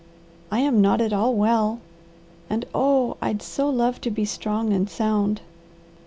I am not at all well, and oh! I'd so love to be strong and sound."